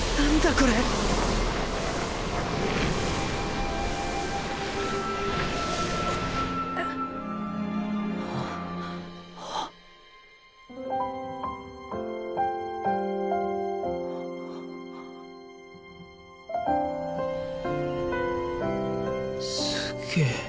これすげえ